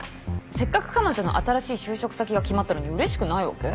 せっかく彼女の新しい就職先が決まったのにうれしくないわけ？